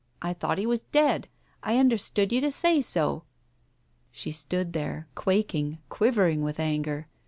I thought he was dead. I understood you to say so.' ..." She stood there, quaking, quivering with anger.